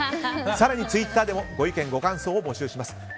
更にツイッターでもご意見、ご感想を募集します。